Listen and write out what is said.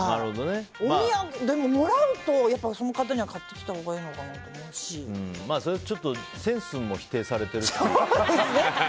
でも、もらうとその方には買ってきたほうがそれはちょっとセンスも否定されているからね。